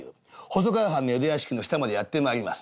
細川藩の江戸屋敷の下までやって参ります。